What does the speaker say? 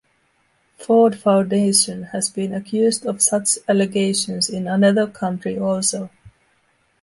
Ford Foundation has been accused of such allegations in another country also.